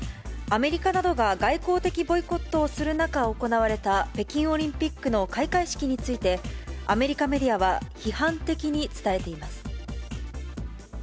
アメリカなどが外交的ボイコットをする中、行われた北京オリンピックの開会式について、アメリカメディアは批判的に伝えています。